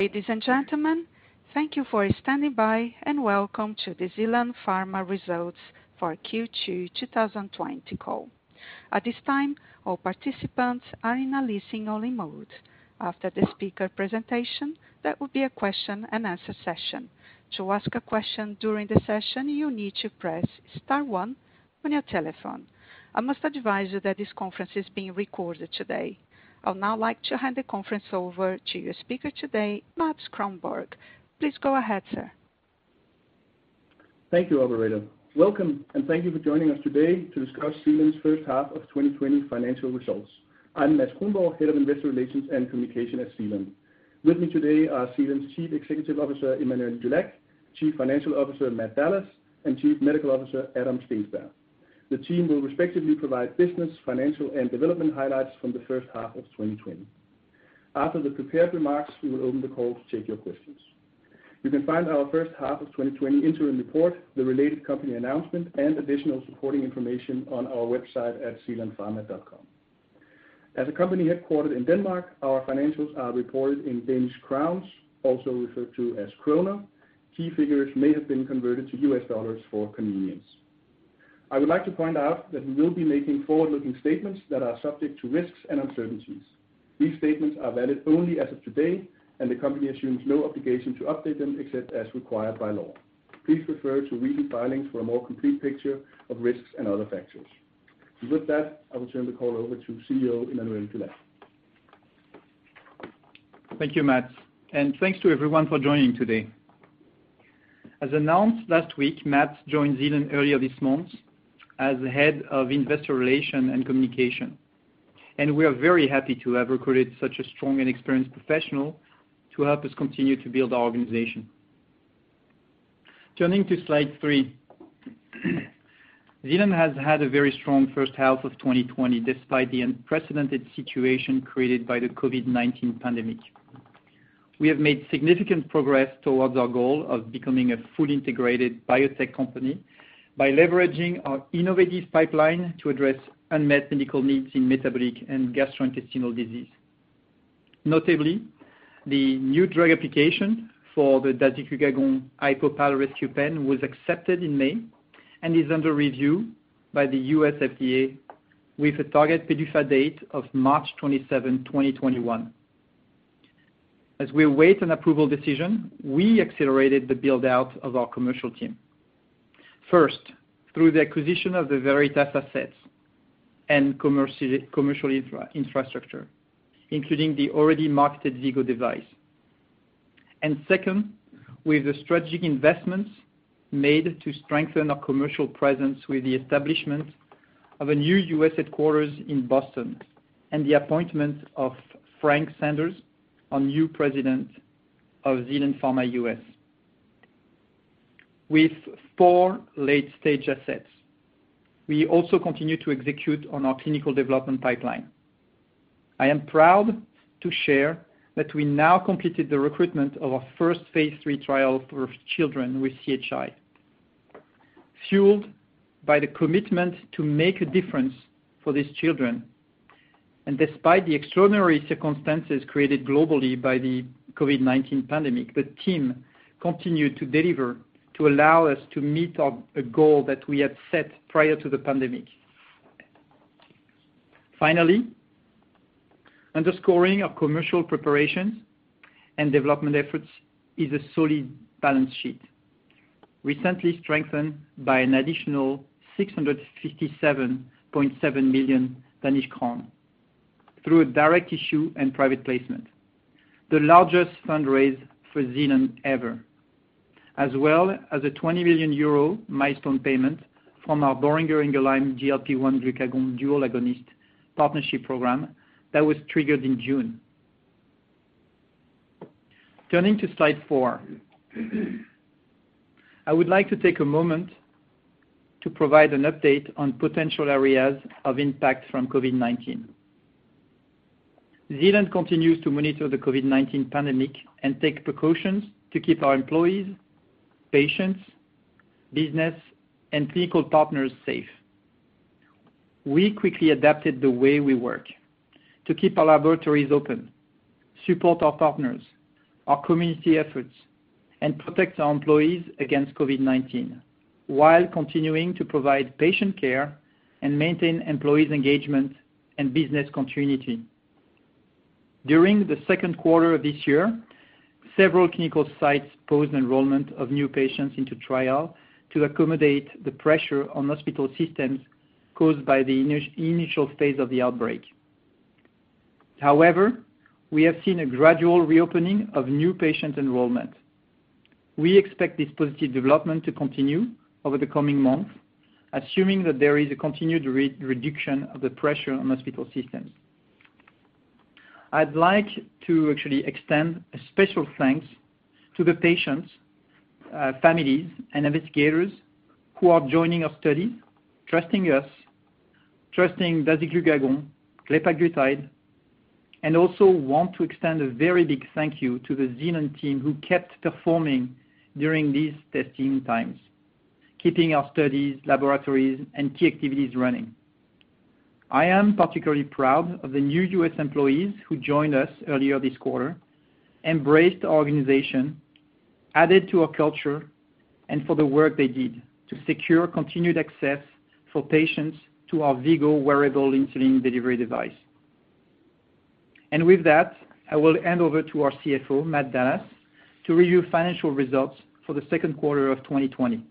Ladies and gentlemen, thank you for standing by and welcome to the Zealand Pharma Results for Q2 2020 call. At this time, all participants are in a listening-only mode. After the speaker presentation, there will be a question-and-answer session. To ask a question during the session, you need to press Star 1 on your telephone. I must advise you that this conference is being recorded today. I would now like to hand the conference over to your speaker today, Mads Kronborg. Please go ahead, sir. Thank you, operator. Welcome, and thank you for joining us today to discuss Zealand's First Half of 2020 financial results. I'm Mads Kronborg, Head of Investor Relations and Communication at Zealand. With me today are Zealand's Chief Executive Officer, Emmanuel Dulac, Chief Financial Officer, Matt Dallas, and Chief Medical Officer, Adam Steensberg. The team will respectively provide business, financial, and development highlights from the first half of 2020. After the prepared remarks, we will open the call to take your questions. You can find our first half of 2020 interim report, the related company announcement, and additional supporting information on our website at zealandpharma.com. As a company headquartered in Denmark, our financials are reported in Danish crowns, also referred to as kroner. Key figures may have been converted to U.S. dollars for convenience. I would like to point out that we will be making forward-looking statements that are subject to risks and uncertainties. These statements are valid only as of today, and the company assumes no obligation to update them except as required by law. Please refer to recent filings for a more complete picture of risks and other factors. With that, I will turn the call over to CEO Emmanuel Dulac. Thank you, Matt, and thanks to everyone for joining today. As announced last week, Matt joined Zealand earlier this month as the Head of Investor Relations and Communication, and we are very happy to have recruited such a strong and experienced professional to help us continue to build our organization. Turning to slide three, Zealand has had a very strong first half of 2020 despite the unprecedented situation created by the COVID-19 pandemic. We have made significant progress towards our goal of becoming a fully integrated biotech company by leveraging our innovative pipeline to address unmet medical needs in metabolic and gastrointestinal disease. Notably, the new drug application for the dasiglucagon HypoPal rescue pen was accepted in May and is under review by the U.S. FDA, with a target PDUFA date of March 27, 2021. As we await an approval decision, we accelerated the build-out of our commercial team. First, through the acquisition of the Valeritas assets and commercial infrastructure, including the already marketed V-Go device, and second, with the strategic investments made to strengthen our commercial presence with the establishment of a new U.S. headquarters in Boston and the appointment of Frank Sanders, our new President of Zealand Pharma U.S., with four late-stage assets, we also continue to execute on our clinical development pipeline. I am proud to share that we now completed the recruitment of our first Phase III trial for children with CHI, fueled by the commitment to make a difference for these children, and despite the extraordinary circumstances created globally by the COVID-19 pandemic, the team continued to deliver to allow us to meet a goal that we had set prior to the pandemic. Finally, underscoring our commercial preparations and development efforts is a solid balance sheet, recently strengthened by an additional 657.7 million Danish crowns through a direct issue and private placement, the largest fundraise for Zealand ever, as well as a 20 million euro milestone payment from our Boehringer Ingelheim GLP-1/glucagon dual agonist partnership program that was triggered in June. Turning to slide four, I would like to take a moment to provide an update on potential areas of impact from COVID-19. Zealand continues to monitor the COVID-19 pandemic and take precautions to keep our employees, patients, business, and clinical partners safe. We quickly adapted the way we work to keep our laboratories open, support our partners, our community efforts, and protect our employees against COVID-19 while continuing to provide patient care and maintain employees' engagement and business continuity. During the second quarter of this year, several clinical sites paused enrollment of new patients into the trial to accommodate the pressure on hospital systems caused by the initial phase of the outbreak. However, we have seen a gradual reopening of new patient enrollment. We expect this positive development to continue over the coming months, assuming that there is a continued reduction of the pressure on hospital systems. I'd like to actually extend a special thanks to the patients, families, and investigators who are joining our studies, trusting us, trusting dasiglucagon, glepaglutide, and I also want to extend a very big thank you to the Zealand team who kept performing during these testing times, keeping our studies, laboratories, and key activities running. I am particularly proud of the new U.S. employees who joined us earlier this quarter, embraced our organization, added to our culture, and for the work they did to secure continued access for patients to our V-Go wearable insulin delivery device, and with that, I will hand over to our CFO, Matt Dallas, to review financial results for the second quarter of 2020.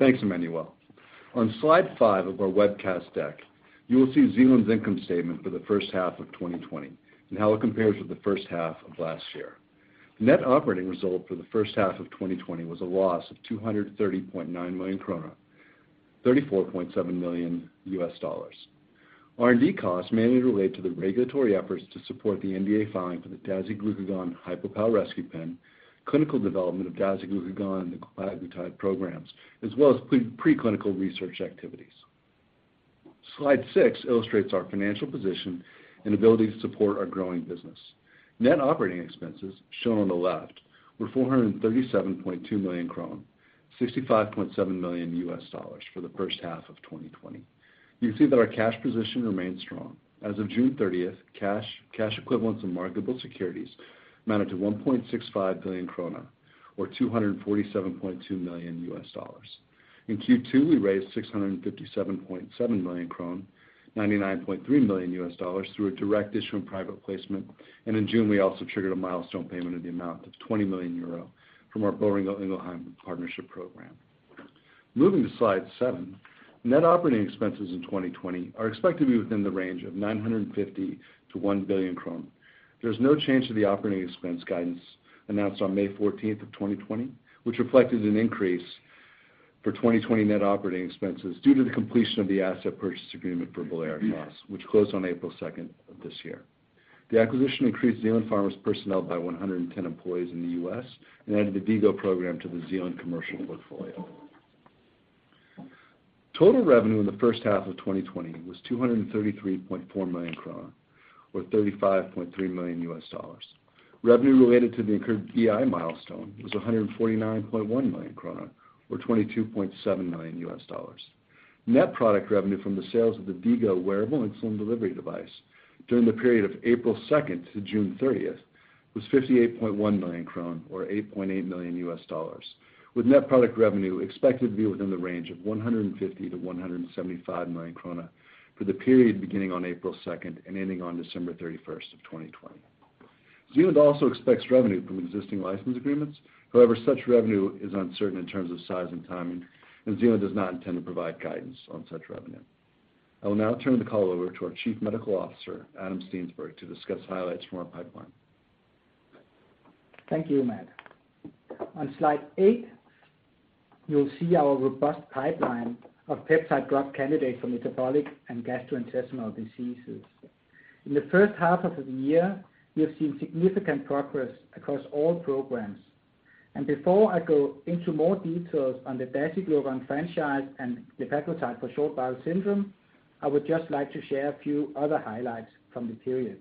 Thanks, Emmanuel. On Slide 5 of our webcast deck, you will see Zealand's income statement for the first half of 2020 and how it compares with the first half of last year. The net operating result for the first half of 2020 was a loss of 230.9 million krone, $34.7 million. R&D costs mainly relate to the regulatory efforts to support the NDA filing for the dasiglucagon HypoPal rescue pen, clinical development of dasiglucagon and the glepaglutide programs, as well as preclinical research activities. Slide 6 illustrates our financial position and ability to support our growing business. Net operating expenses, shown on the left, were 437.2 million, $65.7 million for the first half of 2020. You can see that our cash position remained strong. As of June 30, cash equivalents and marketable securities amounted to 1.65 billion krone, or $247.2 million. In Q2, we raised 657.7 million krone, $99.3 million through a direct issue and private placement, and in June, we also triggered a milestone payment of the amount of 20 million euro from our Boehringer Ingelheim partnership program. Moving to Slide 7, net operating expenses in 2020 are expected to be within the range of 950 million-1 billion. There is no change to the operating expense guidance announced on May 14, 2020, which reflected an increase for 2020 net operating expenses due to the completion of the asset purchase agreement for Valeritas, which closed on April 2 of this year. The acquisition increased Zealand Pharma's personnel by 110 employees in the U.S. and added the V-Go program to the Zealand commercial portfolio. Total revenue in the first half of 2020 was 233.4 million, or $35.3 million. Revenue related to the incurred BI milestone was 149.1 million krone, or $22.7 million. Net product revenue from the sales of the V-Go wearable insulin delivery device during the period of April 2 to June 30 was 58.1 million krone, or $8.8 million, with net product revenue expected to be within the range of 150-175 million krone for the period beginning on April 2 and ending on December 31, 2020. Zealand also expects revenue from existing license agreements. However, such revenue is uncertain in terms of size and timing, and Zealand does not intend to provide guidance on such revenue. I will now turn the call over to our Chief Medical Officer, Adam Steensberg, to discuss highlights from our pipeline. Thank you, Matt. On Slide 8, you'll see our robust pipeline of peptide drug candidates for metabolic and gastrointestinal diseases. In the first half of the year, we have seen significant progress across all programs, and before I go into more details on the dasiglucagon franchise and glepaglutide for short bowel syndrome, I would just like to share a few other highlights from the period.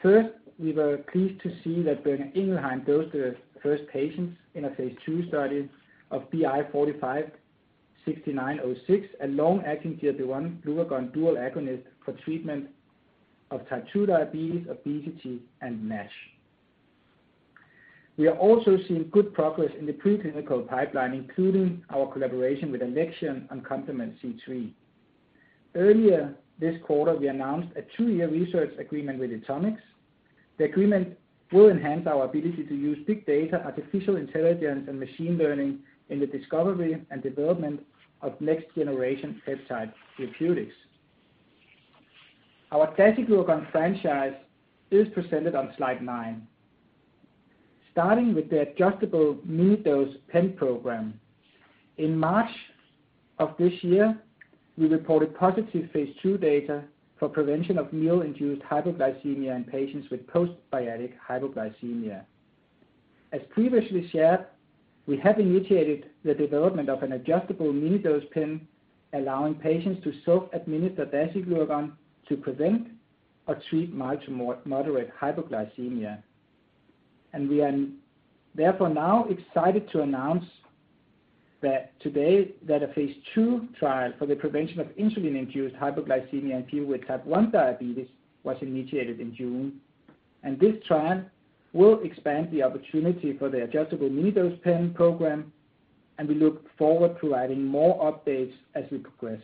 First, we were pleased to see that Boehringer Ingelheim dosed the first patients in a Phase II study of BI 456906, a long-acting GLP-1 glucagon dual agonist for treatment of Type 2 diabetes, obesity, and NASH. We are also seeing good progress in the preclinical pipeline, including our collaboration with Alexion on complement C3. Earlier this quarter, we announced a two-year research agreement with Atomwise. The agreement will enhance our ability to use big data, artificial intelligence, and machine learning in the discovery and development of next-generation peptide therapeutics. Our dasiglucagon franchise is presented on slide nine, starting with the adjustable mini-dose pen program. In March of this year, we reported positive Phase II data for prevention of meal-induced hypoglycemia in patients with post-bariatric hypoglycemia. As previously shared, we have initiated the development of an adjustable mini-dose pen, allowing patients to self-administer dasiglucagon to prevent or treat mild to moderate hypoglycemia, and we are therefore now excited to announce that today a Phase II trial for the prevention of insulin-induced hypoglycemia in people with Type 1 diabetes was initiated in June, and this trial will expand the opportunity for the adjustable mini-dose pen program, and we look forward to providing more updates as we progress.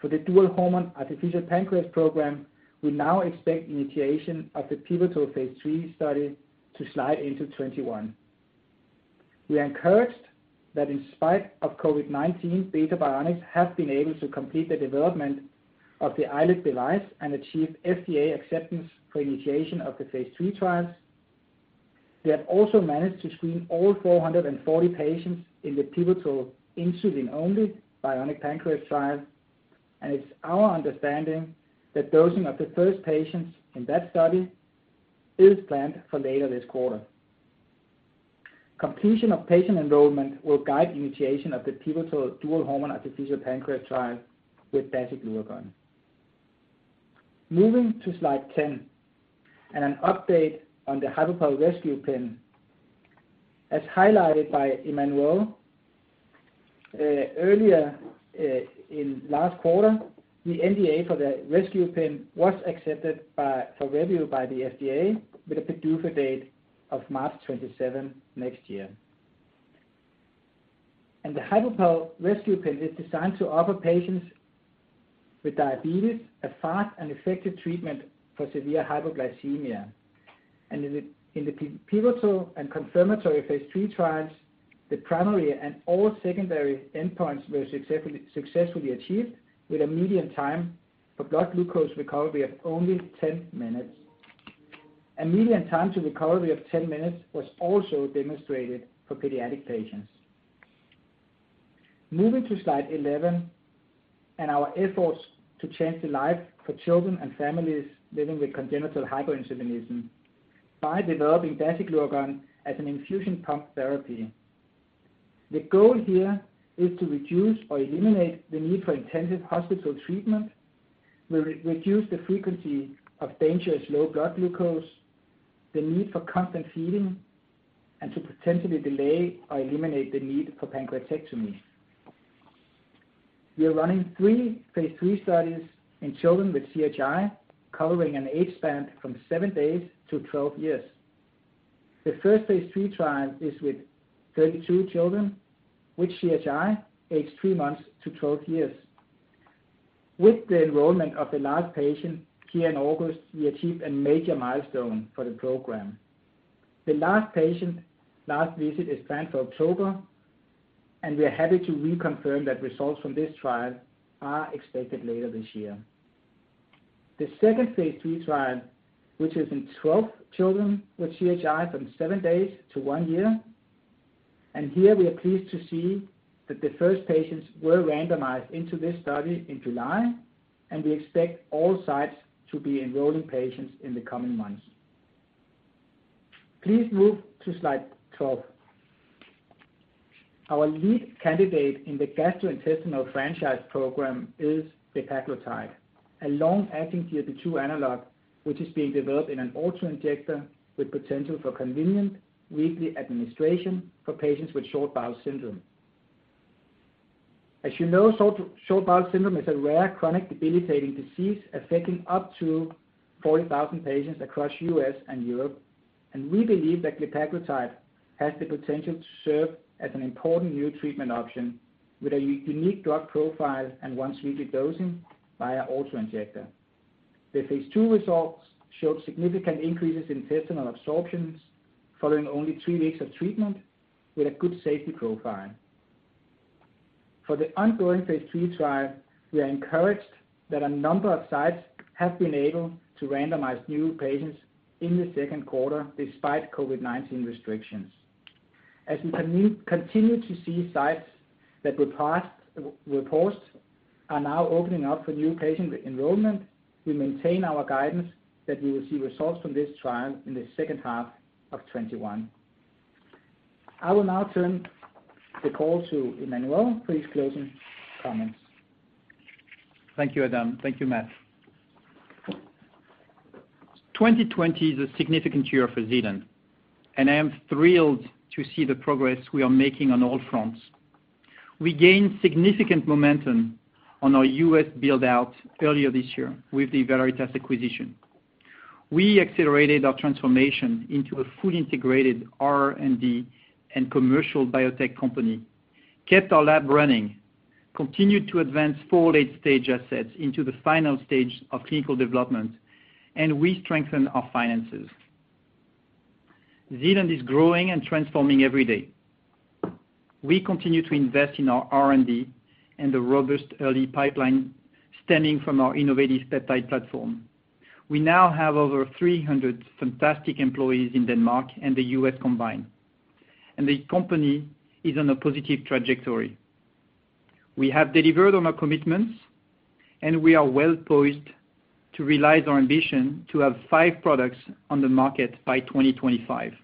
For the dual hormone artificial pancreas program, we now expect initiation of the pivotal Phase III study to slide into 2021. We are encouraged that in spite of COVID-19, Beta Bionics have been able to complete the development of the iLet device and achieve FDA acceptance for initiation of the Phase III trials. They have also managed to screen all 440 patients in the pivotal insulin-only bionic pancreas trial, and it's our understanding that dosing of the first patients in that study is planned for later this quarter. Completion of patient enrollment will guide initiation of the pivotal dual hormone artificial pancreas trial with dasiglucagon. Moving to Slide 10 and an update on the HypoPal rescue pen, as highlighted by Emmanuel earlier in last quarter, the NDA for the rescue pen was accepted for review by the FDA with a PDUFA date of March 27 next year. The HypoPal rescue pen is designed to offer patients with diabetes a fast and effective treatment for severe hypoglycemia. In the pivotal and confirmatory Phase III trials, the primary and all secondary endpoints were successfully achieved with a median time for blood glucose recovery of only 10 minutes. A median time to recovery of 10 minutes was also demonstrated for pediatric patients. Moving to Slide 11 and our efforts to change the lives for children and families living with congenital hyperinsulinism by developing dasiglucagon as an infusion pump therapy. The goal here is to reduce or eliminate the need for intensive hospital treatment, reduce the frequency of dangerous low blood glucose, the need for constant feeding, and to potentially delay or eliminate the need for pancreatectomy. We are running three Phase III studies in children with CHI, covering an age span from seven days to 12 years. The first Phase III trial is with 32 children with CHI, age three months to 12 years. With the enrollment of the last patient here in August, we achieved a major milestone for the program. The last patient's last visit is planned for October, and we are happy to reconfirm that results from this trial are expected later this year. The second Phase III trial, which is in 12 children with CHI, from seven days to one year, and here we are pleased to see that the first patients were randomized into this study in July, and we expect all sites to be enrolling patients in the coming months. Please move to Slide 12. Our lead candidate in the gastrointestinal franchise program is glepaglutide, a long-acting GLP-2 analog, which is being developed in an autoinjector with potential for convenient weekly administration for patients with short bowel syndrome. As you know, short bowel syndrome is a rare chronic debilitating disease affecting up to 40,000 patients across the U.S. and Europe, and we believe that glepaglutide has the potential to serve as an important new treatment option with a unique drug profile and once-weekly dosing via autoinjector. The Phase II results showed significant increases in intestinal absorption following only three weeks of treatment with a good safety profile. For the ongoing Phase III trial, we are encouraged that a number of sites have been able to randomize new patients in the second quarter despite COVID-19 restrictions. As we continue to see sites that were paused are now opening up for new patient enrollment, we maintain our guidance that we will see results from this trial in the second half of 2021. I will now turn the call to Emmanuel for his closing comments. Thank you, Adam. Thank you, Matt. 2020 is a significant year for Zealand, and I am thrilled to see the progress we are making on all fronts. We gained significant momentum on our U.S. build-out earlier this year with the Valeritas acquisition. We accelerated our transformation into a fully integrated R&D and commercial biotech company, kept our lab running, continued to advance four late-stage assets into the final stage of clinical development, and we strengthened our finances. Zealand is growing and transforming every day. We continue to invest in our R&D and the robust early pipeline stemming from our innovative peptide platform. We now have over 300 fantastic employees in Denmark and the U.S. combined, and the company is on a positive trajectory. We have delivered on our commitments, and we are well-positioned to realize our ambition to have five products on the market by 2025.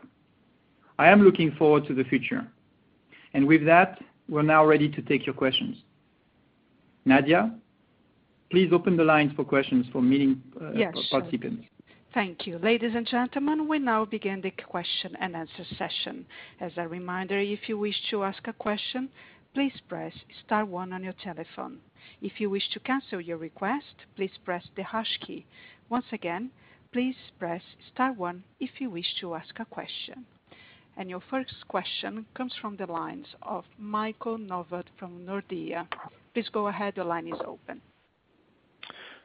I am looking forward to the future, and with that, we're now ready to take your questions. Nadia, please open the lines for questions for meeting participants. Yes. Thank you. Ladies and gentlemen, we now begin the question and answer session. As a reminder, if you wish to ask a question, please press star one on your telephone. If you wish to cancel your request, please press the hash key. Once again, please press star one if you wish to ask a question. And your first question comes from the line of Michael Novod from Nordea. Please go ahead. Your line is open.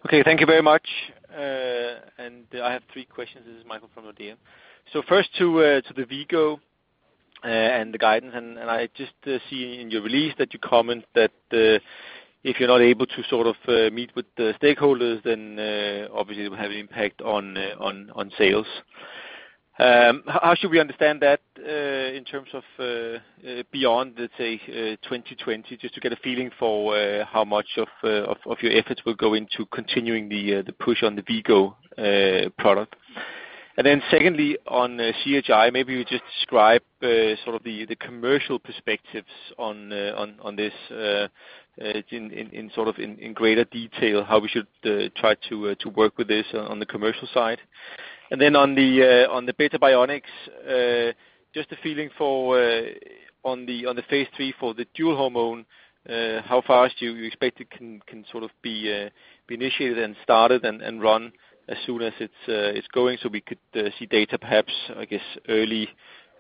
Okay. Thank you very much. And I have three questions. This is Michael from Nordea. So first, to the V-Go and the guidance, and I just see in your release that you comment that if you're not able to sort of meet with the stakeholders, then obviously it will have an impact on sales. How should we understand that in terms of beyond, let's say, 2020, just to get a feeling for how much of your efforts will go into continuing the push on the V-Go product? And then secondly, on CHI, maybe you just describe sort of the commercial perspectives on this in sort of greater detail, how we should try to work with this on the commercial side. Then on the Beta Bionics, just a feeling for on the Phase III for the dual hormone, how fast do you expect it can sort of be initiated and started and run as soon as it's going so we could see data perhaps, I guess, early,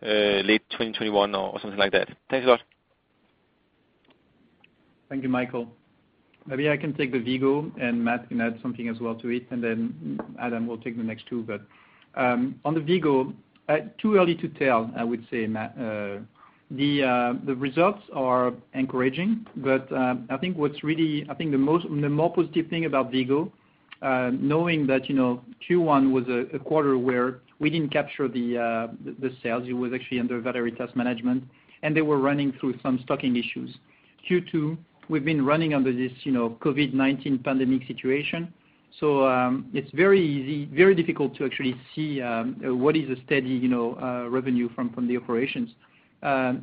late 2021 or something like that? Thanks a lot. Thank you, Michael. Maybe I can take the V-Go, and Matt can add something as well to it, and then Adam will take the next two. But on the V-Go, too early to tell, I would say, Matt. The results are encouraging, but I think what's really I think the more positive thing about V-Go, knowing that Q1 was a quarter where we didn't capture the sales, it was actually under Valeritas management, and they were running through some stocking issues. Q2, we've been running under this COVID-19 pandemic situation, so it's very easy, very difficult to actually see what is the steady revenue from the operations.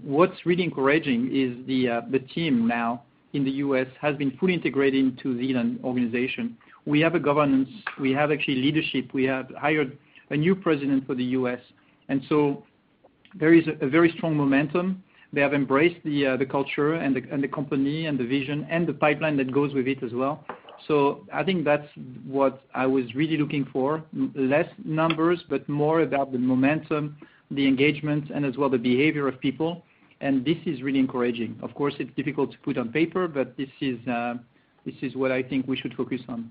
What's really encouraging is the team now in the U.S. has been fully integrated into Zealand organization. We have a governance, we have actually leadership, we have hired a new president for the U.S., and so there is a very strong momentum. They have embraced the culture and the company and the vision and the pipeline that goes with it as well. So I think that's what I was really looking for: less numbers, but more about the momentum, the engagement, and as well the behavior of people, and this is really encouraging. Of course, it's difficult to put on paper, but this is what I think we should focus on.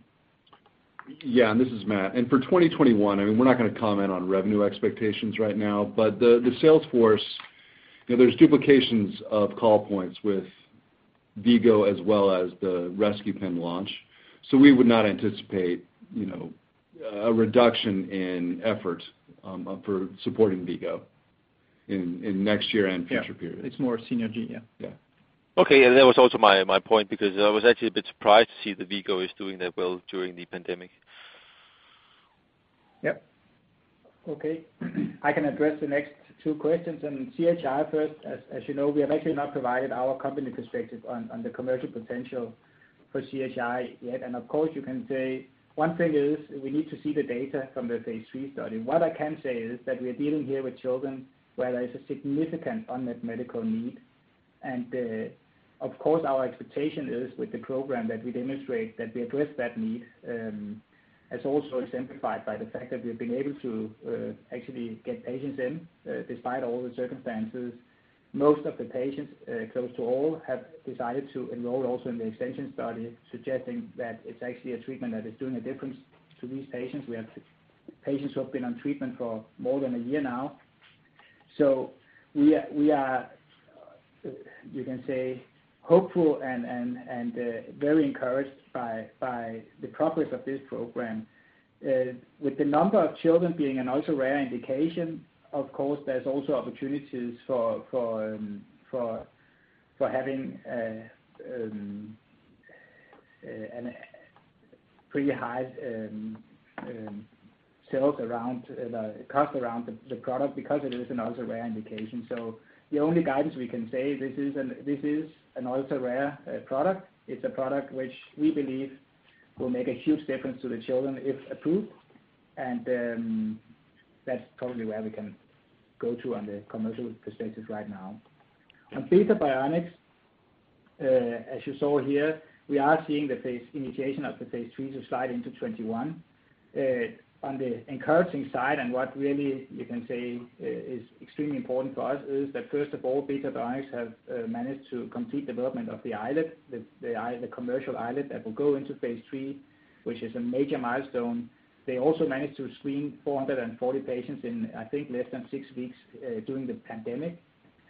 Yeah. And this is Matt. And for 2021, I mean, we're not going to comment on revenue expectations right now, but the sales force, there's duplications of call points with V-Go as well as the rescue pen launch, so we would not anticipate a reduction in effort for supporting V-Go in next year and future period. Yeah. It's more synergy, yeah. Yeah. Okay, and that was also my point because I was actually a bit surprised to see that V-Go is doing that well during the pandemic. Yep. Okay. I can address the next two questions on CHI first. As you know, we have actually not provided our company perspective on the commercial potential for CHI yet, and of course, you can say one thing is we need to see the data from the Phase II study. What I can say is that we are dealing here with children where there is a significant unmet medical need, and of course, our expectation is with the program that we demonstrate that we address that need as also exemplified by the fact that we have been able to actually get patients in despite all the circumstances. Most of the patients, close to all, have decided to enroll also in the extension study, suggesting that it's actually a treatment that is making a difference to these patients. We have patients who have been on treatment for more than a year now. So we are, you can say, hopeful and very encouraged by the progress of this program. With the number of children being an also rare indication, of course, there's also opportunities for having a pretty high sales around the cost around the product because it is an also rare indication. So the only guidance we can say, this is an also rare product. It's a product which we believe will make a huge difference to the children if approved, and that's probably where we can go to on the commercial perspective right now. On Beta Bionics, as you saw here, we are seeing the initiation of the Phase III to slide into 2021. On the encouraging side and what really you can say is extremely important for us is that first of all, Beta Bionics have managed to complete development of the iLet, the commercial iLet that will go into Phase III, which is a major milestone. They also managed to screen 440 patients in, I think, less than six weeks during the pandemic,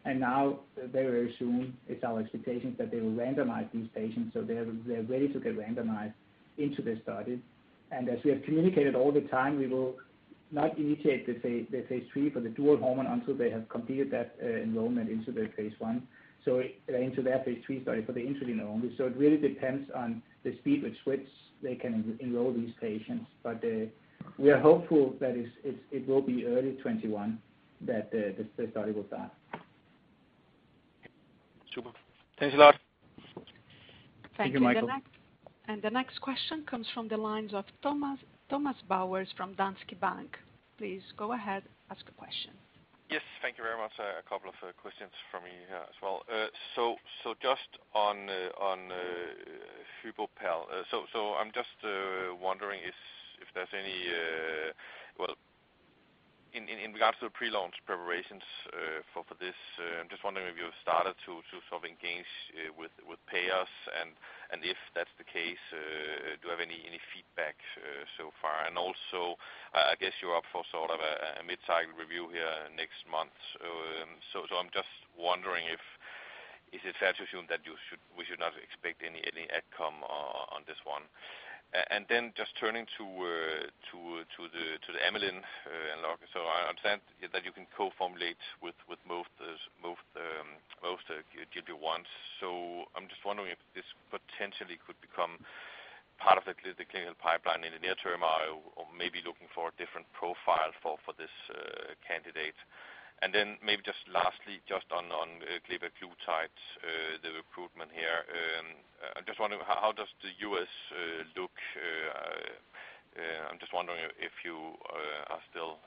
and now very, very soon, it's our expectations that they will randomize these patients, so they're ready to get randomized into the study, and as we have communicated all the time, we will not initiate the Phase III for the dual hormone until they have completed that enrollment into the Phase I, so into that Phase III study for the insulin only. So, it really depends on the speed with which they can enroll these patients, but we are hopeful that it will be early 2021 that the study will start. Super. Thanks a lot. Thank you, Michael. And the next question comes from the lines of Thomas Bowers from Danske Bank. Please go ahead, ask a question. Yes. Thank you very much. A couple of questions for me as well. So just on HypoPal, so I'm just wondering if there's any, well, in regards to the prelaunch preparations for this, I'm just wondering if you've started to sort of engage with payers, and if that's the case, do you have any feedback so far? And also, I guess you're up for sort of a mid-cycle review here next month, so I'm just wondering if it's fair to assume that we should not expect any outcome on this one. And then just turning to the amylin analog, so I understand that you can co-formulate with most GLP-1s, so I'm just wondering if this potentially could become part of the clinical pipeline in the near term or maybe looking for a different profile for this candidate. And then maybe just lastly, just on glepaglutide, the recruitment here, I'm just wondering how does the U.S. look? I'm just wondering if you are still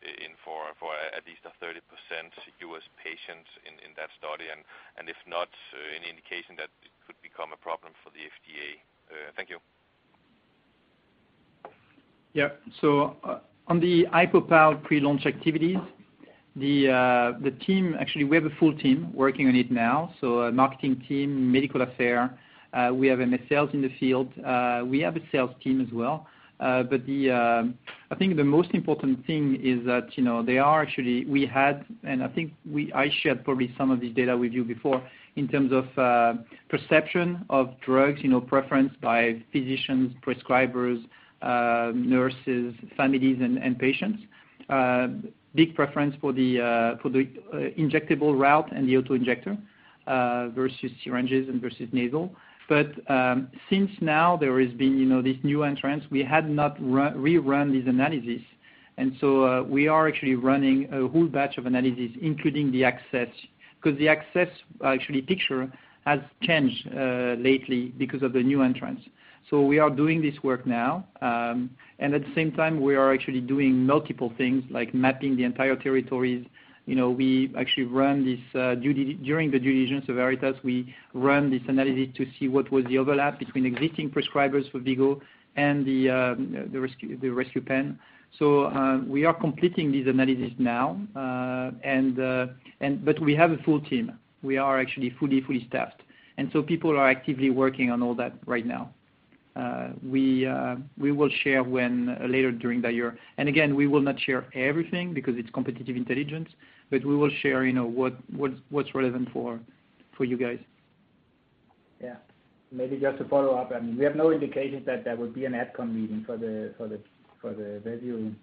in for at least a 30% U.S. patients in that study, and if not, any indication that it could become a problem for the FDA? Thank you. Yeah. So on the Zegalogue prelaunch activities, the team, actually, we have a full team working on it now, so marketing team, medical affairs, we have MSLs in the field. We have a sales team as well, but I think the most important thing is that, actually, we had, and I think I shared probably some of this data with you before in terms of perception of drugs, preference by physicians, prescribers, nurses, families, and patients. Big preference for the injectable route and the autoinjector versus syringes and versus nasal, but since now there has been this new entrant, we had not rerun these analyses, and so we are actually running a whole batch of analyses, including the access, because the access actually picture has changed lately because of the new entrant. We are doing this work now, and at the same time, we are actually doing multiple things like mapping the entire territories. We actually run this during the due diligence of Valeritas. We run this analysis to see what was the overlap between existing prescribers for V-Go and the rescue pen. So we are completing these analyses now, but we have a full team. We are actually fully, fully staffed, and so people are actively working on all that right now. We will share later during the year. And again, we will not share everything because it's competitive intelligence, but we will share what's relevant for you guys. Yeah. Maybe just to follow up, I mean, we have no indication that there would be an outcome meeting for the V-Go.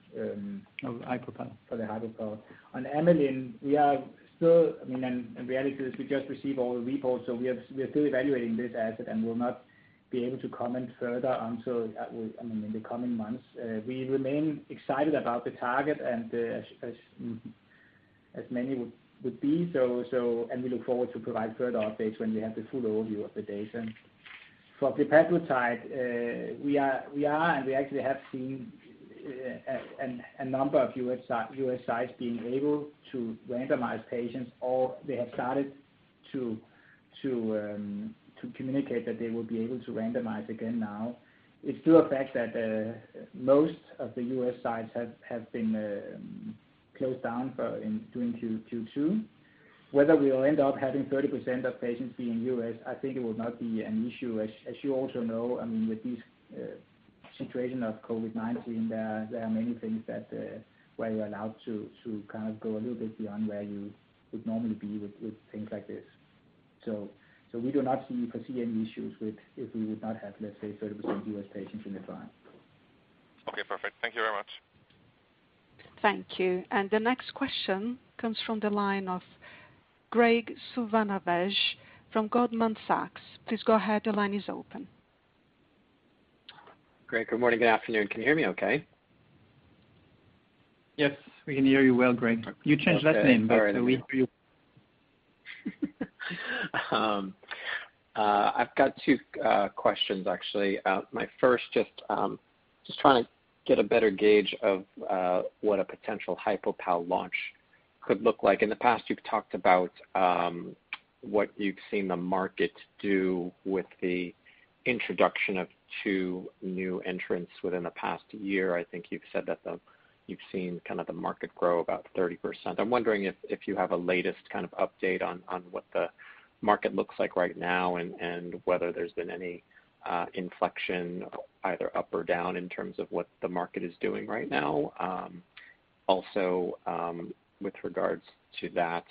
Of Hypo? For the iLet. On amylin, we are still, I mean, and the reality is we just received all the reports, so we are still evaluating this asset and will not be able to comment further until, I mean, in the coming months. We remain excited about the target and as many would be, and we look forward to provide further updates when we have the full overview of the data. For glepaglutide, we are, and we actually have seen a number of U.S. sites being able to randomize patients, or they have started to communicate that they will be able to randomize again now. It's still a fact that most of the U.S. sites have been closed down during Q2. Whether we will end up having 30% of patients being U.S., I think it will not be an issue. As you also know, I mean, with this situation of COVID-19, there are many things where you're allowed to kind of go a little bit beyond where you would normally be with things like this. So we do not foresee any issues if we would not have, let's say, 30% U.S. patients in the file. Okay. Perfect. Thank you very much. Thank you. And the next question comes from the line of Graig Suvannavejh from Goldman Sachs. Please go ahead. The line is open. Good morning. Good afternoon. Can you hear me okay? Yes. We can hear you well, Graig. You changed last name, but we. I've got two questions, actually. My first, just trying to get a better gauge of what a potential HypoPal launch could look like. In the past, you've talked about what you've seen the market do with the introduction of two new entrants within the past year. I think you've said that you've seen kind of the market grow about 30%. I'm wondering if you have a latest kind of update on what the market looks like right now and whether there's been any inflection either up or down in terms of what the market is doing right now. Also, with regards to that,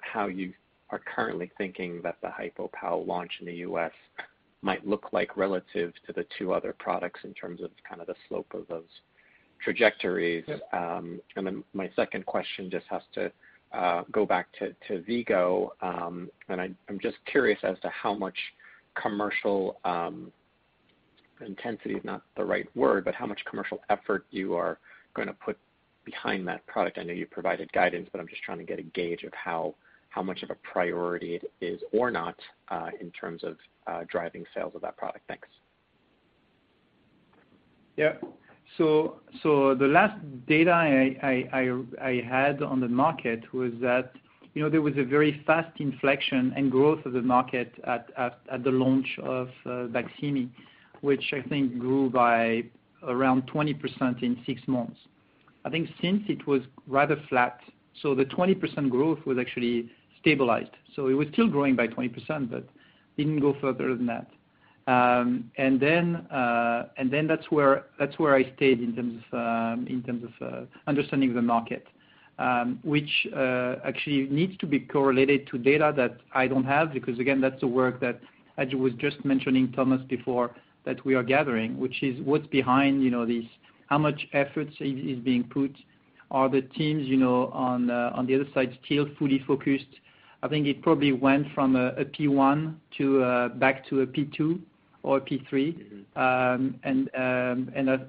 how you are currently thinking that the HypoPal launch in the U.S. might look like relative to the two other products in terms of kind of the slope of those trajectories.My second question just has to go back to V-Go, and I'm just curious as to how much commercial intensity is not the right word, but how much commercial effort you are going to put behind that product. I know you provided guidance, but I'm just trying to get a gauge of how much of a priority it is or not in terms of driving sales of that product. Thanks. Yeah, so the last data I had on the market was that there was a very fast inflection and growth of the market at the launch of Baqsimi, which I think grew by around 20% in six months. I think since it was rather flat, so the 20% growth was actually stabilized, so it was still growing by 20%, but didn't go further than that, and then that's where I stayed in terms of understanding the market, which actually needs to be correlated to data that I don't have because, again, that's the work that I was just mentioning Thomas before that we are gathering, which is what's behind this, how much effort is being put, are the teams on the other side still fully focused. I think it probably went from a P1 back to a P2 or a P3, and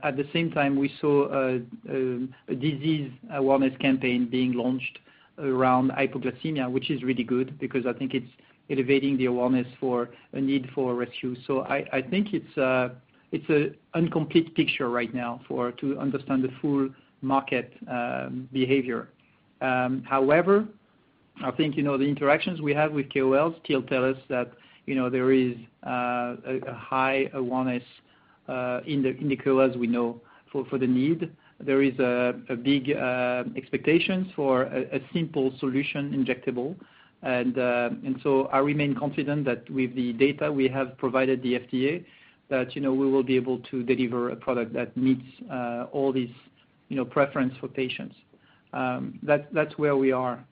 at the same time, we saw a disease awareness campaign being launched around hypoglycemia, which is really good because I think it's elevating the awareness for a need for rescue. So I think it's an incomplete picture right now to understand the full market behavior. However, I think the interactions we have with KOLs still tell us that there is a high awareness in the KOLs we know for the need. There is a big expectation for a simple solution injectable, and so I remain confident that with the data we have provided the FDA, that we will be able to deliver a product that meets all these preferences for patients. That's where we are.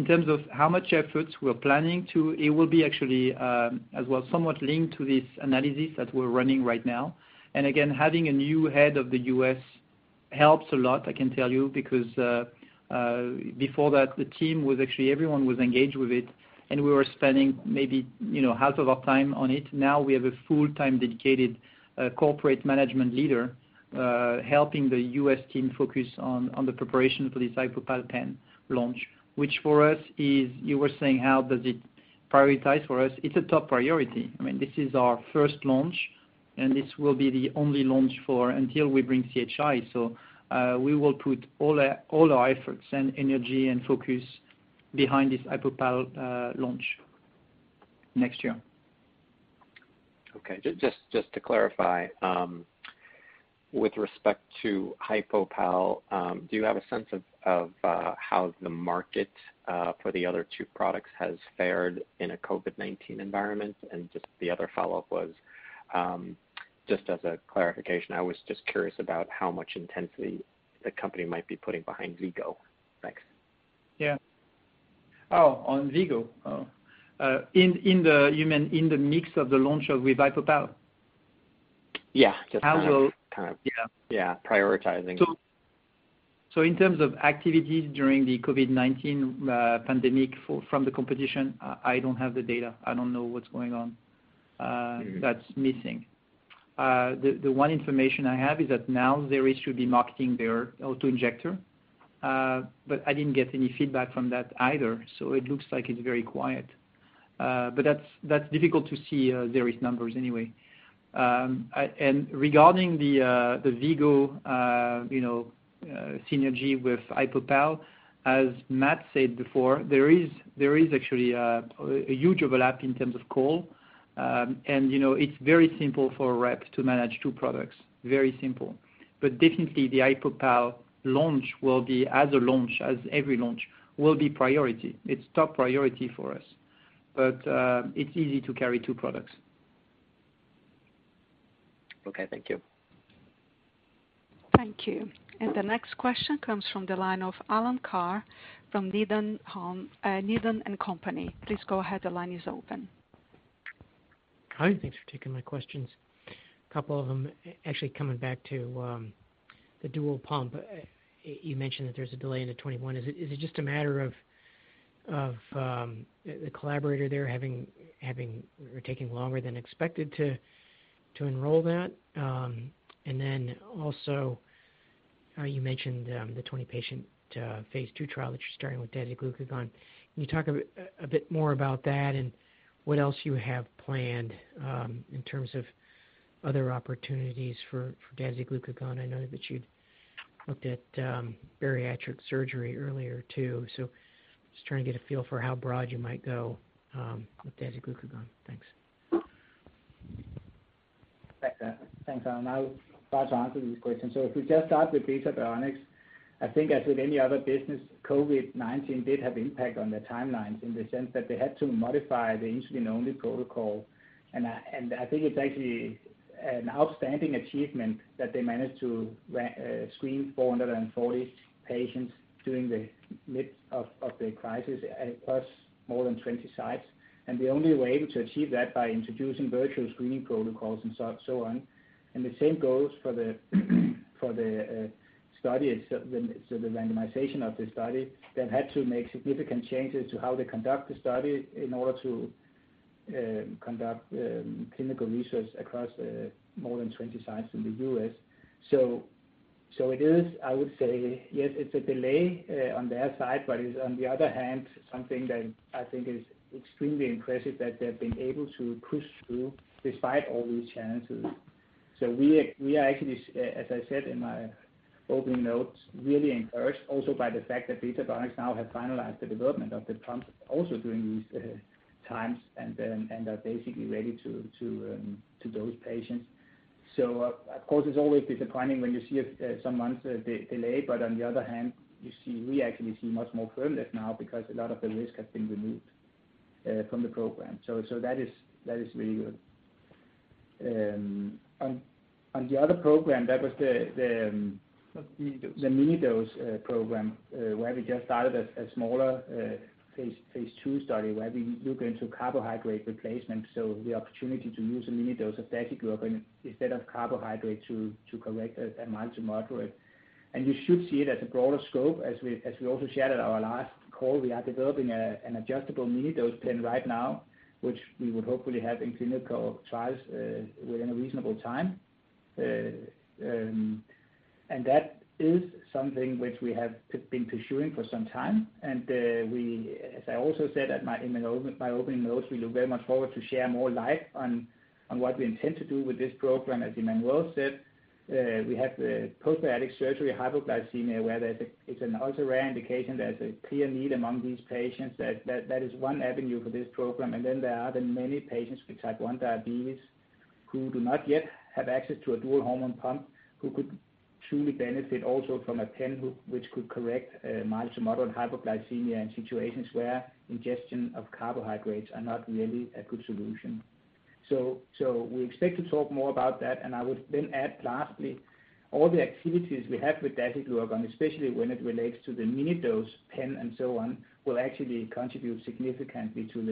In terms of how much effort we're planning to, it will be actually as well somewhat linked to this analysis that we're running right now, and again, having a new head of the U.S. helps a lot, I can tell you, because before that, the team was actually everyone was engaged with it, and we were spending maybe half of our time on it. Now we have a full-time dedicated corporate management leader helping the U.S. team focus on the preparation for this HypoPal pen launch, which for us is, you were saying, how does it prioritize for us? It's a top priority. I mean, this is our first launch, and this will be the only launch for until we bring CHI, so we will put all our efforts and energy and focus behind this HypoPal launch next year. Okay. Just to clarify, with respect to HypoPal, do you have a sense of how the market for the other two products has fared in a COVID-19 environment? And just the other follow-up was just as a clarification, I was just curious about how much intensity the company might be putting behind V-Go. Thanks. Yeah. Oh, on V-Go, in the mix of the launches with HypoPal? Yeah. Just kind of prioritizing. So in terms of activities during the COVID-19 pandemic from the competition, I don't have the data. I don't know what's going on. That's missing. The one information I have is that now there is to be marketing their autoinjector, but I didn't get any feedback from that either, so it looks like it's very quiet, but that's difficult to see various numbers anyway. And regarding the V-Go synergy with HypoPal, as Matt said before, there is actually a huge overlap in terms of call, and it's very simple for a rep to manage two products. Very simple. But definitely, the HypoPal launch will be, as a launch, as every launch, will be priority. It's top priority for us, but it's easy to carry two products. Okay. Thank you. Thank you. And the next question comes from the line of Alan Carr from Needham & Company. Please go ahead. The line is open. Hi. Thanks for taking my questions. A couple of them actually coming back to the dual pump. You mentioned that there's a delay in the 2021. Is it just a matter of the collaborator there taking longer than expected to enroll that? And then also, you mentioned the 20-patient Phase II trial that you're starting with dasiglucagon. Can you talk a bit more about that and what else you have planned in terms of other opportunities for dasiglucagon? I know that you'd looked at bariatric surgery earlier too, so just trying to get a feel for how broad you might go with dasiglucagon. Thanks. Thanks, Alan. I'll try to answer these questions. So if we just start with Beta Bionics, I think as with any other business, COVID-19 did have an impact on the timelines in the sense that they had to modify the insulin-only protocol, and I think it's actually an outstanding achievement that they managed to screen 440 patients during the midst of the crisis across more than 20 sites, and they only were able to achieve that by introducing virtual screening protocols and so on. And the same goes for the study itself, the randomization of the study. They've had to make significant changes to how they conduct the study in order to conduct clinical research across more than 20 sites in the U.S. So it is, I would say, yes, it's a delay on their side, but it is, on the other hand, something that I think is extremely impressive that they've been able to push through despite all these challenges. So we are actually, as I said in my opening notes, really encouraged also by the fact that Beta Bionics now have finalized the development of the pump, also during these times, and are basically ready to those patients. So of course, it's always disappointing when you see some months' delay, but on the other hand, we actually see much more firmness now because a lot of the risk has been removed from the program. So that is really good. On the other program, that was the mini-dose program where we just started a smaller Phase II study where we look into carbohydrate replacement, so the opportunity to use a mini-dose of dasiglucagon instead of carbohydrate to correct a mild to moderate. And you should see it as a broader scope. As we also shared at our last call, we are developing an adjustable mini-dose pen right now, which we would hopefully have in clinical trials within a reasonable time. And that is something which we have been pursuing for some time. And as I also said at my opening notes, we look very much forward to share more light on what we intend to do with this program. As Emmanuel said, we have the post-bariatric surgery hypoglycemia where it's an ultra-rare indication. There's a clear need among these patients. That is one avenue for this program. And then there are the many patients with Type 1 diabetes who do not yet have access to a dual hormone pump, who could truly benefit also from a pen which could correct mild to moderate hypoglycemia in situations where ingestion of carbohydrates are not really a good solution. So we expect to talk more about that, and I would then add lastly, all the activities we have with dasiglucagon, especially when it relates to the mini-dose pen and so on, will actually contribute significantly to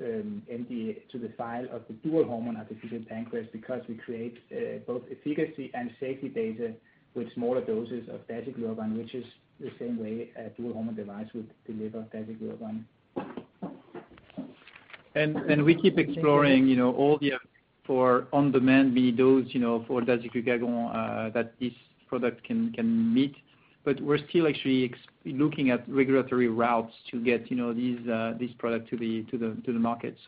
the profile of the dual hormone artificial pancreas because we create both efficacy and safety data with smaller doses of dasiglucagon, which is the same way a dual hormone device would deliver dasiglucagon. For on-demand mini-dose for dasiglucagon that this product can meet, but we're still actually looking at regulatory routes to get this product to the market.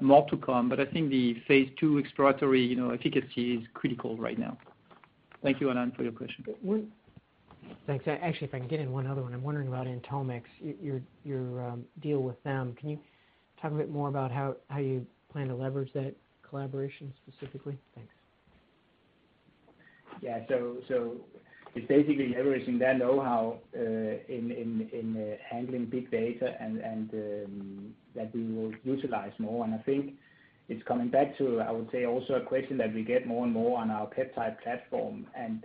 More to come, but I think the Phase II exploratory efficacy is critical right now. Thank you, Alan, for your question. Thanks. Actually, if I can get in one other one, I'm wondering about Atomwise. Your deal with them, can you talk a bit more about how you plan to leverage that collaboration specifically? Thanks. Yeah. So it's basically leveraging their know-how in handling big data and that we will utilize more. And I think it's coming back to, I would say, also a question that we get more and more on our peptide platform and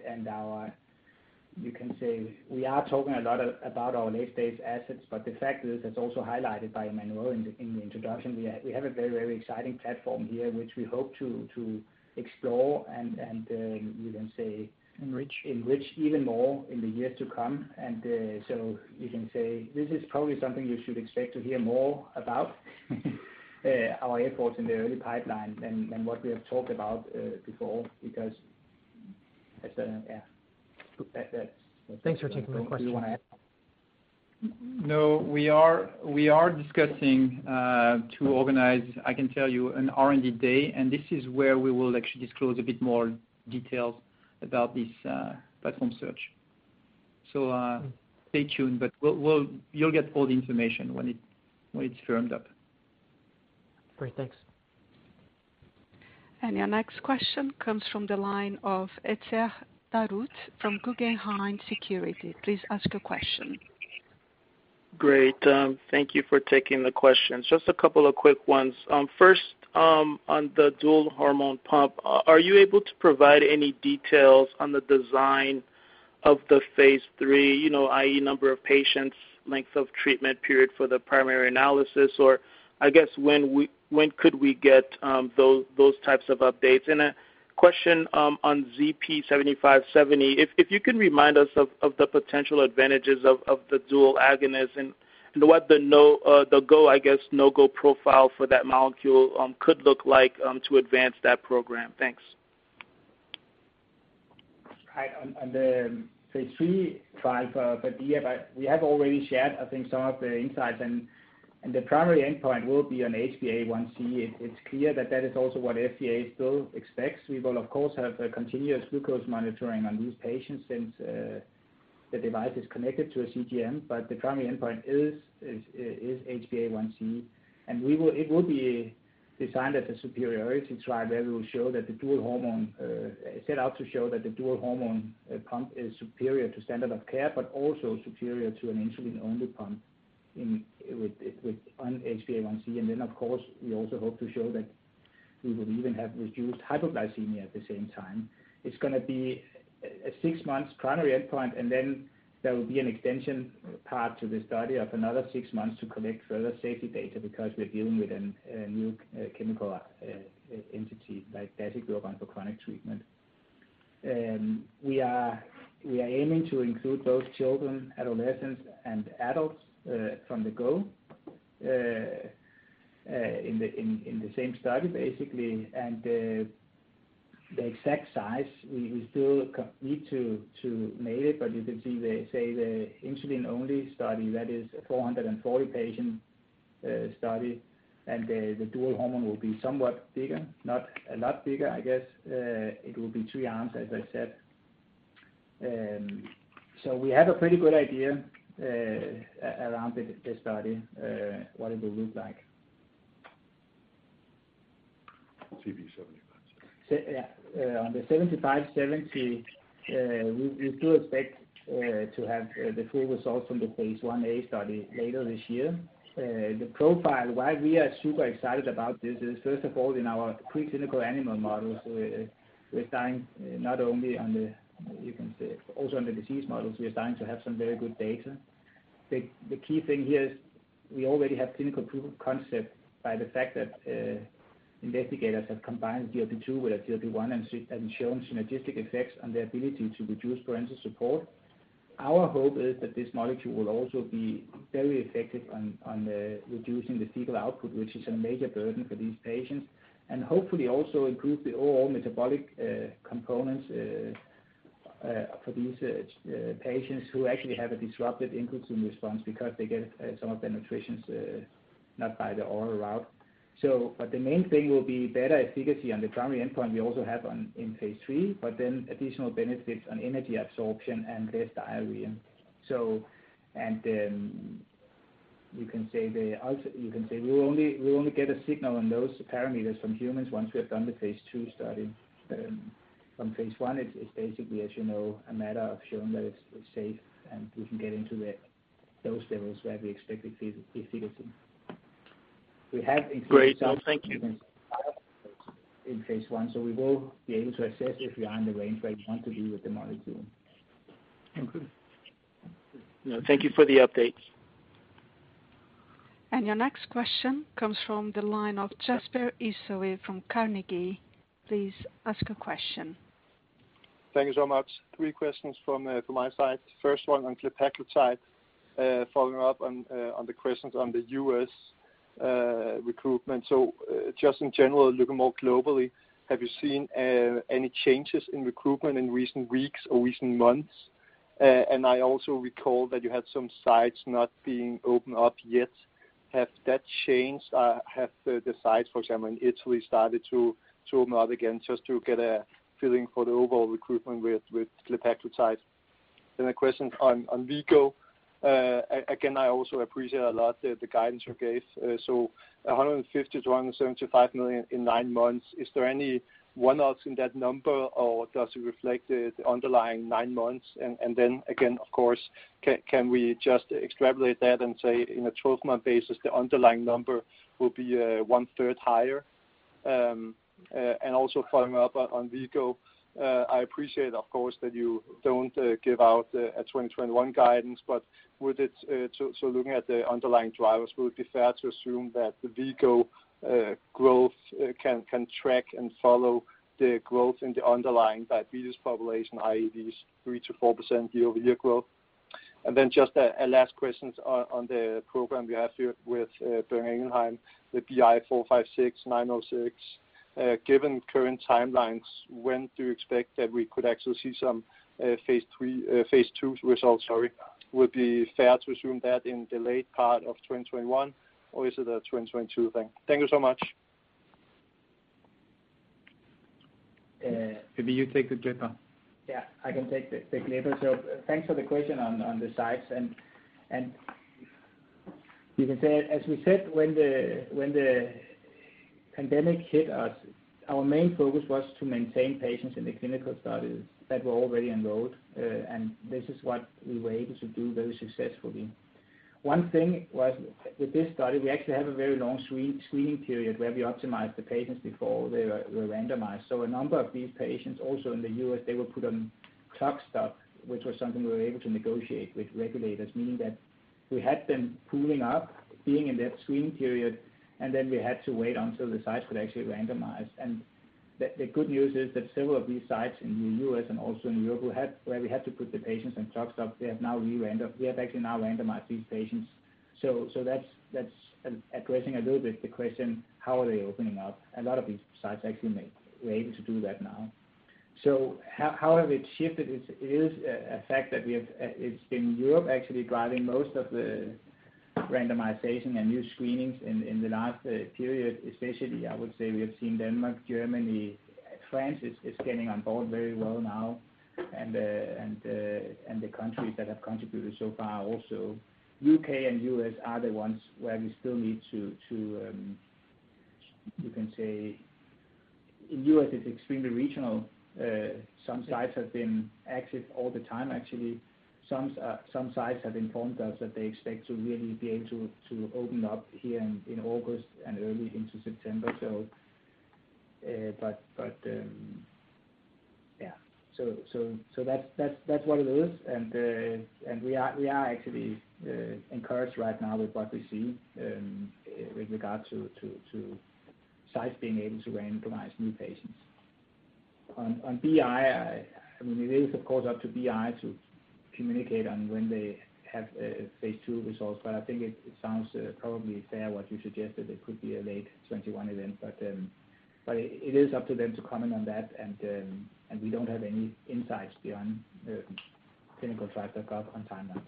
our you can say we are talking a lot about our late-stage assets, but the fact is, as also highlighted by Emmanuel in the introduction, we have a very, very exciting platform here, which we hope to explore and you can say. Enrich-- Enrich even more in the years to come, and so you can say this is probably something you should expect to hear more about our efforts in the early pipeline than what we have talked about before because yeah. Thanks for taking my question. Do you want to add? No, we are discussing to organize, I can tell you, an R&D day, and this is where we will actually disclose a bit more details about this platform search. So stay tuned, but you'll get all the information when it's firmed up. Great. Thanks. Your next question comes from the line of Etzer Darout from Guggenheim Securities. Please ask a question. Great. Thank you for taking the questions. Just a couple of quick ones. First, on the dual hormone pump, are you able to provide any details on the design of the Phase III, i.e., number of patients, length of treatment period for the primary analysis, or I guess when could we get those types of updates? And a question on ZP7570, if you can remind us of the potential advantages of the dual agonist and what the go, I guess, no-go profile for that molecule could look like to advance that program. Thanks. Right. On the Phase III trial, but yeah, we have already shared, I think, some of the insights, and the primary endpoint will be on HbA1c. It's clear that that is also what FDA still expects. We will, of course, have continuous glucose monitoring on these patients since the device is connected to a CGM, but the primary endpoint is HbA1c, and it will be designed as a superiority trial where we will show that the dual hormone is set out to show that the dual hormone pump is superior to standard of care, but also superior to an insulin-only pump with HbA1c. And then, of course, we also hope to show that we will even have reduced hypoglycemia at the same time. It's going to be a six-month primary endpoint, and then there will be an extension part to the study of another six months to collect further safety data because we're dealing with a new chemical entity like dasiglucagon for chronic treatment. We are aiming to include both children, adolescents, and adults from the get-go in the same study, basically, and the exact size, we still need to nail it, but you can see they say the insulin-only study, that is a 440-patient study, and the dual hormone will be somewhat bigger, not a lot bigger, I guess. It will be three arms, as I said. We have a pretty good idea around the study, what it will look like. ZP7570. Yeah. On the ZP7570, we still expect to have the full results from the Phase 1A study later this year. The profile, why we are super excited about this is, first of all, in our preclinical animal models, we're starting not only on the, you can say, also on the disease models, we are starting to have some very good data. The key thing here is we already have clinical proof of concept by the fact that investigators have combined GLP-2 with a GLP-1 and shown synergistic effects on their ability to reduce parenteral support. Our hope is that this molecule will also be very effective on reducing the fecal output, which is a major burden for these patients, and hopefully also improve the overall metabolic components for these patients who actually have a disrupted incretin response because they get some of their nutrition not by the oral route. But the main thing will be better efficacy on the primary endpoint we also have in Phase III, but then additional benefits on energy absorption and less diarrhea. And you can say we will only get a signal on those parameters from humans once we have done the Phase II study. From Phase I, it's basically, as you know, a matter of showing that it's safe and we can get into those levels where we expect efficacy. We have increased output in Phase I, so we will be able to assess if we are in the range where we want to be with the molecule. Thank you for the updates. And your next question comes from the line of Jesper Ilsøe from Carnegie. Please ask a question. Thank you so much. Three questions from my side. First one on the glepaglutide side, following up on the questions on the U.S. recruitment. So just in general, looking more globally, have you seen any changes in recruitment in recent weeks or recent months? And I also recall that you had some sites not being opened up yet. Have that changed? Have the sites, for example, in Italy started to open up again just to get a feeling for the overall recruitment with the glepaglutide side? Then a question on revenue. Again, I also appreciate a lot the guidance you gave. So 150 million-175 million in nine months. Is there any one-offs in that number, or does it reflect the underlying nine months? And then again, of course, can we just extrapolate that and say in a 12-month basis, the underlying number will be one-third higher? And also following up on GLP-1, I appreciate, of course, that you don't give out a 2021 guidance, but so looking at the underlying drivers, would it be fair to assume that the GLP-1 growth can track and follow the growth in the underlying diabetes population, i.e., these 3%-4% year-over-year growth? And then just a last question on the program we have here with Boehringer Ingelheim, the BI 456906. Given current timelines, when do you expect that we could actually see some Phase II results? Sorry. Would it be fair to assume that in the late part of 2021, or is it a 2022 thing? Thank you so much. Maybe you take the Glepa. Yeah. I can take the question. So thanks for the question on the sites. And you can say, as we said, when the pandemic hit us, our main focus was to maintain patients in the clinical studies that were already enrolled, and this is what we were able to do very successfully. One thing was with this study, we actually have a very long screening period where we optimized the patients before they were randomized. So a number of these patients, also in the U.S., they were put on clock stop, which was something we were able to negotiate with regulators, meaning that we had them holding up, being in that screening period, and then we had to wait until the sites were actually randomized. The good news is that several of these sites in the U.S. and also in Europe where we had to put the patients on clock stop, they have actually now randomized these patients. That's addressing a little bit the question, how are they opening up? A lot of these sites actually were able to do that now. How have we achieved it? It is a fact that it's been Europe actually driving most of the randomization and new screenings in the last period. Especially, I would say we have seen Denmark, Germany, France is getting on board very well now, and the countries that have contributed so far also. U.K. and U.S. are the ones where we still need to, you can say, in the U.S., it's extremely regional. Some sites have been active all the time, actually. Some sites have informed us that they expect to really be able to open up here in August and early into September, so. But yeah. So that's what it is. We are actually encouraged right now with what we see with regard to sites being able to randomize new patients. On BI, I mean, it is, of course, up to BI to communicate on when they have Phase II results, but I think it sounds probably fair what you suggested. It could be a late 2021 event, but it is up to them to comment on that, and we don't have any insights beyond clinical trials that got on timelines.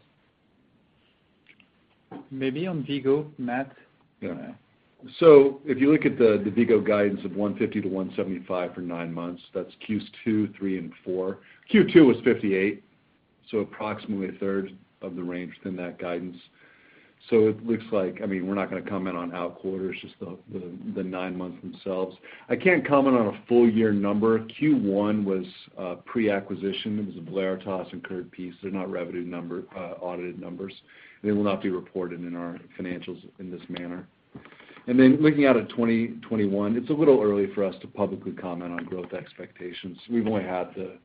Maybe on V-Go, Matt? Yeah. So if you look at the V-Go guidance of $150-$175 for nine months, that's Qs two, three, and four. Q2 was $58, so approximately a third of the range within that guidance. So it looks like, I mean, we're not going to comment on future quarters, just the nine months themselves. I can't comment on a full year number. Q1 was pre-acquisition. It was a pro forma and unaudited piece. They're not revenue audited numbers, and they will not be reported in our financials in this manner. And then looking out at 2021, it's a little early for us to publicly comment on growth expectations. We've only had the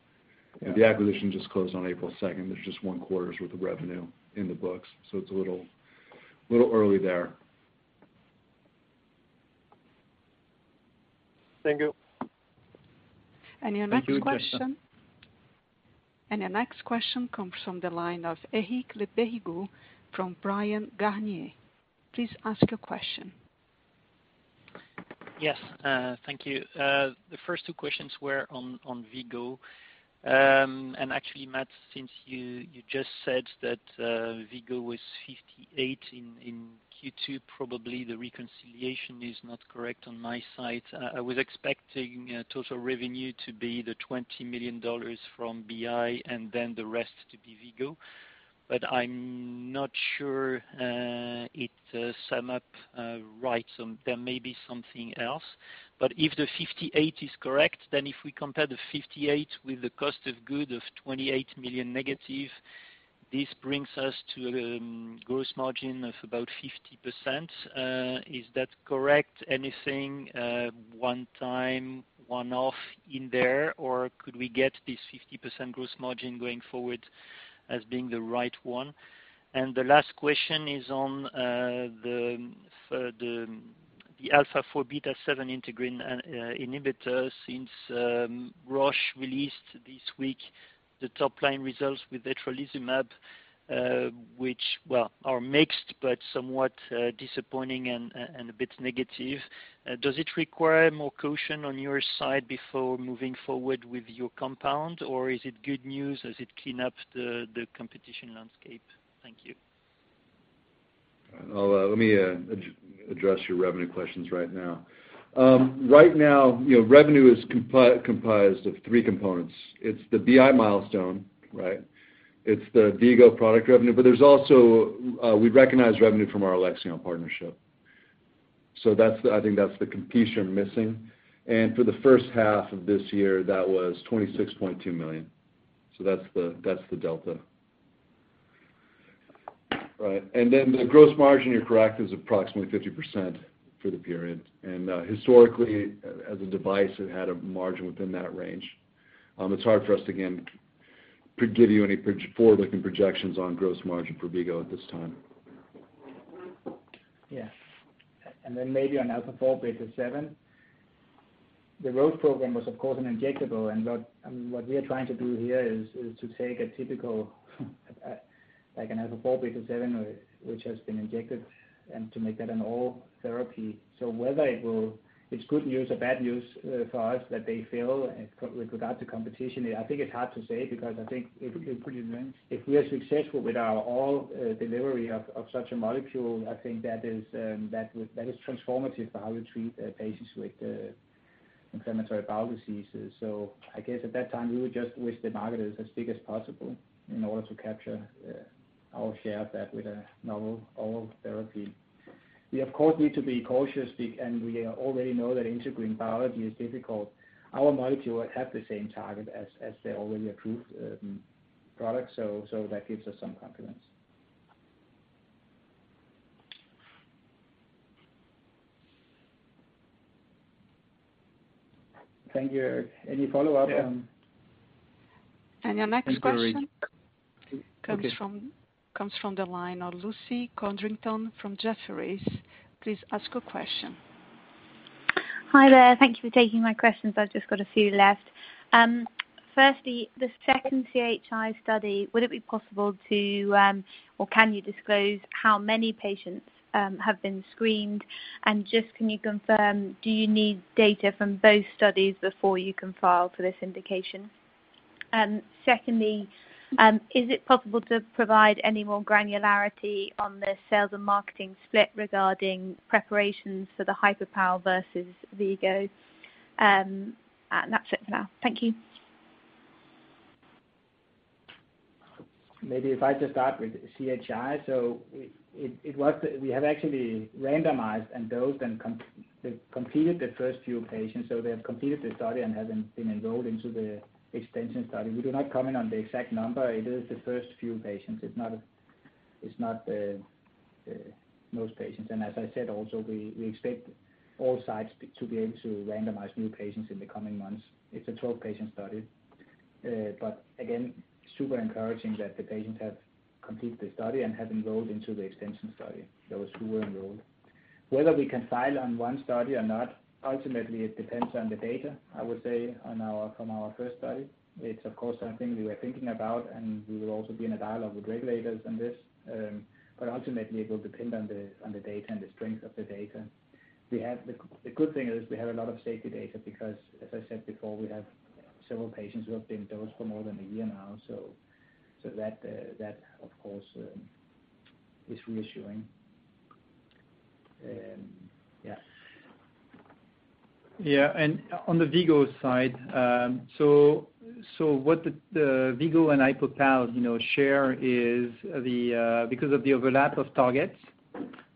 acquisition just closed on April 2nd. There's just one quarter's worth of revenue in the books, so it's a little early there. Thank you. Your next question. Thank you. Your next question comes from the line of Eric Le Berrigaud from Bryan, Garnier. Please ask your question. Yes. Thank you. The first two questions were on V-Go. And actually, Matt, since you just said that V-Go was 58 in Q2, probably the reconciliation is not correct on my side. I was expecting total revenue to be the $20 million from BI and then the rest to be V-Go, but I'm not sure it sum up right, so there may be something else. But if the 58 is correct, then if we compare the 58 with the cost of goods of 28 million negative, this brings us to a gross margin of about 50%. Is that correct? Anything one-time, one-off in there, or could we get this 50% gross margin going forward as being the right one? And the last question is on the alpha-4-beta-7 integrin inhibitor since Roche released this week the top-line results with etrolizumab, which, well, are mixed but somewhat disappointing and a bit negative. Does it require more caution on your side before moving forward with your compound, or is it good news? Does it clean up the competition landscape? Thank you. Let me address your revenue questions right now. Right now, revenue is comprised of three components. It's the BI milestone, right? It's the V-Go product revenue, but there's also we recognize revenue from our Alexion partnership. So I think that's the completion missing, and for the first half of this year, that was 26.2 million. So that's the delta, right. And then the gross margin, you're correct, is approximately 50% for the period. And historically, as a device, it had a margin within that range. It's hard for us to, again, give you any forward-looking projections on gross margin for V-Go at this time. Yes. And then maybe on alpha-4-beta-7, the Roche program was, of course, an injectable, and what we are trying to do here is to take a typical, like an alpha-4-beta-7, which has been injected, and to make that an oral therapy. So whether it's good news or bad news for us that they fail with regard to competition, I think it's hard to say because I think if we are successful with our oral delivery of such a molecule, I think that is transformative for how we treat patients with inflammatory bowel diseases. So I guess at that time, we would just wish the market is as big as possible in order to capture our share of that with a novel oral therapy. We, of course, need to be cautious, and we already know that integrin biology is difficult. Our molecule would have the same target as the already approved product, so that gives us some confidence. Thank you, Eric. Any follow-up? Your next question comes from the line of Lucy Codrington from Jefferies. Please ask a question. Hi there. Thank you for taking my questions. I've just got a few left. Firstly, the second CHI study, would it be possible to, or can you disclose how many patients have been screened? And just can you confirm, do you need data from both studies before you can file for this indication? Secondly, is it possible to provide any more granularity on the sales and marketing split regarding preparations for the HypoPal versus V-Go? And that's it for now. Thank you. Maybe if I just start with CHI. So we have actually randomized, and those that completed, the first few patients. So they have completed the study and have been enrolled into the extension study. We do not comment on the exact number. It is the first few patients. It's not most patients. And as I said, also, we expect all sites to be able to randomize new patients in the coming months. It's a 12-patient study. But again, super encouraging that the patients have completed the study and have enrolled into the extension study, those who were enrolled. Whether we can file on one study or not, ultimately, it depends on the data, I would say, from our first study. It's, of course, something we were thinking about, and we will also be in a dialogue with regulators on this. But ultimately, it will depend on the data and the strength of the data. The good thing is we have a lot of safety data because, as I said before, we have several patients who have been dosed for more than a year now. So that, of course, is reassuring. Yeah. Yeah. On the V-Go side, so what the V-Go and HypoPal share is because of the overlap of targets,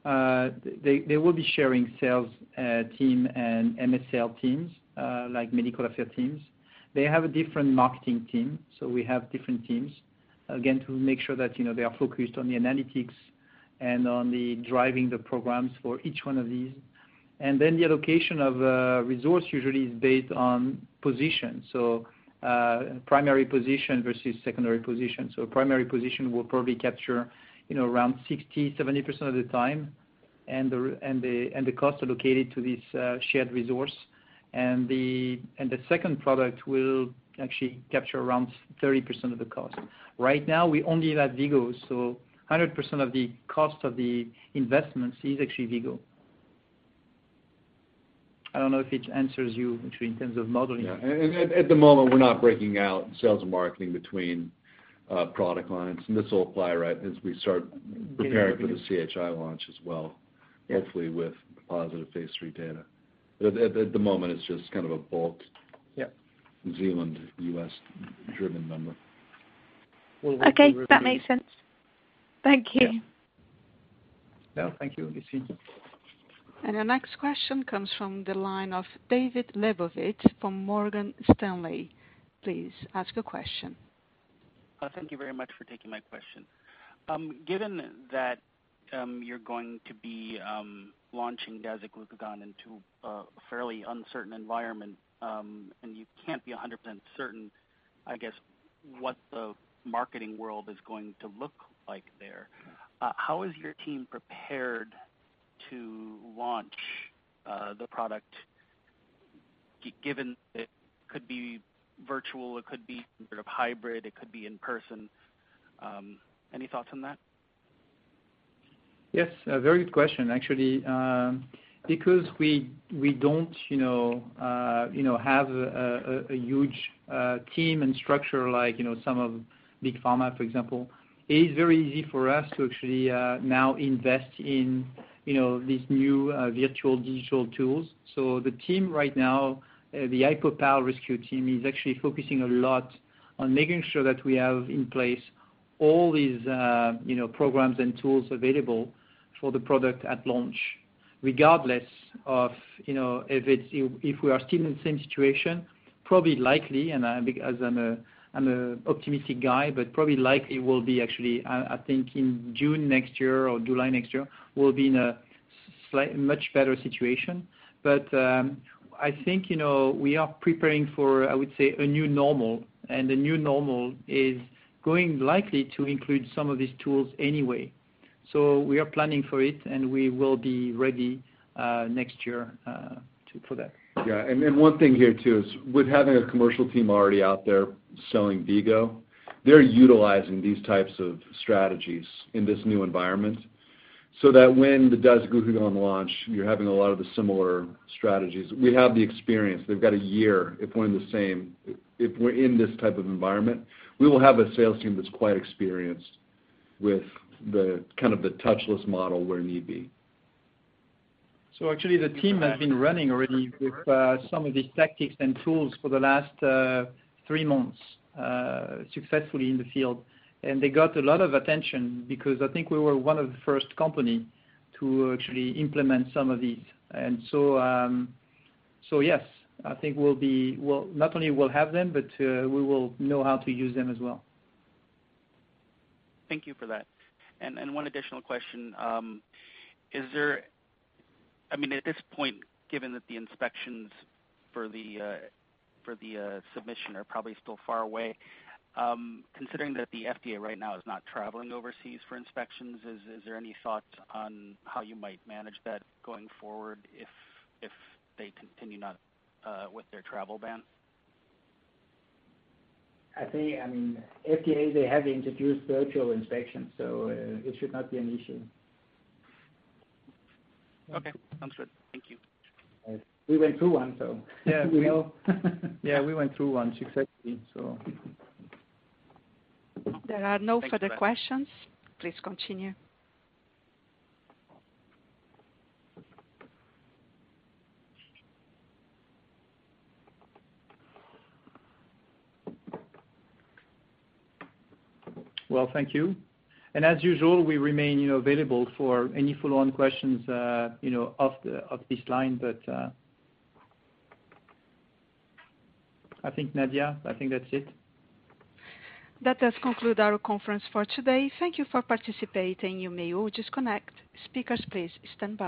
they will be sharing sales team and MSL teams, like medical affairs teams. They have a different marketing team, so we have different teams, again, to make sure that they are focused on the end users and on driving the programs for each one of these. And then the allocation of resources usually is based on position, so primary position versus secondary position. So primary position will probably capture around 60%-70% of the time, and the cost allocated to this shared resource. And the second product will actually capture around 30% of the cost. Right now, we only have V-Go, so 100% of the cost of the investments is actually V-Go. I don't know if it answers you in terms of modeling. Yeah. At the moment, we're not breaking out sales and marketing between product lines. And this will apply right as we start preparing for the CHI launch as well, hopefully with positive Phase III data. But at the moment, it's just kind of a bulk Zealand U.S.-driven number. Okay. That makes sense. Thank you. Yeah. Thank you, Lucy. And our next question comes from the line of David Lebowitz from Morgan Stanley. Please ask a question. Thank you very much for taking my question. Given that you're going to be launching dasiglucagon into a fairly uncertain environment, and you can't be 100% certain, I guess, what the marketing world is going to look like there, how is your team prepared to launch the product given it could be virtual, it could be sort of hybrid, it could be in person? Any thoughts on that? Yes. Very good question, actually. Because we don't have a huge team and structure like some of big pharma, for example, it is very easy for us to actually now invest in these new virtual digital tools. So the team right now, the HypoPal rescue team, is actually focusing a lot on making sure that we have in place all these programs and tools available for the product at launch, regardless of if we are still in the same situation. Probably, and as I'm an optimistic guy, but probably will be actually, I think, in June next year or July next year, we'll be in a much better situation. But I think we are preparing for, I would say, a new normal, and the new normal is going likely to include some of these tools anyway, so we are planning for it, and we will be ready next year for that. Yeah. And one thing here too is with having a commercial team already out there selling V-Go, they're utilizing these types of strategies in this new environment so that when the dasiglucagon launch, you're having a lot of the similar strategies. We have the experience. They've got a year. If we're in the same, if we're in this type of environment, we will have a sales team that's quite experienced with kind of the touchless model where need be. So actually, the team has been running already with some of these tactics and tools for the last three months successfully in the field. And they got a lot of attention because I think we were one of the first companies to actually implement some of these. And so yes, I think we'll be not only we'll have them, but we will know how to use them as well. Thank you for that. And one additional question. I mean, at this point, given that the inspections for the submission are probably still far away, considering that the FDA right now is not traveling overseas for inspections, is there any thoughts on how you might manage that going forward if they continue with their travel ban? I mean, FDA, they have introduced virtual inspections, so it should not be an issue. Okay. Sounds good. Thank you. We went through one, so. Yeah. Yeah. We went through one, exactly, so. There are no further questions. Please continue. Thank you. And as usual, we remain available for any follow-on questions off this line, but I think, Nadia, I think that's it. That does conclude our conference for today. Thank you for participating. You may now disconnect. Speakers, please stand.